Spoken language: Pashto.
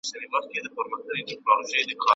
¬ يو وار نوک، بيا سوک.